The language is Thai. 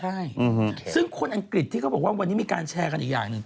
ใช่ซึ่งคนอังกฤษที่เขาบอกว่าวันนี้มีการแชร์กันอีกอย่างหนึ่ง